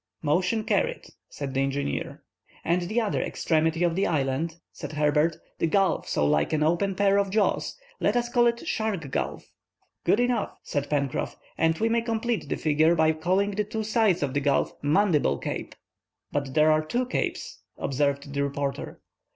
"Motion carried," said the engineer. "And the other extremity of the island," said Herbert, "the gulf so like an open pair of jaws, let us call it Shark Gulf." "Good enough," said Pencroff, "and we may complete the figure by calling the two sides of the gulf Mandible Cape." "But there are two capes," observed the reporter.